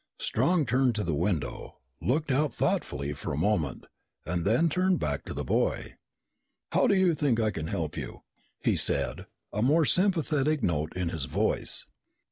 Strong turned to the window, looked out thoughtfully for a moment, and then turned back to the boy. "How do you think I can help you?" he said, a more sympathetic note in his voice.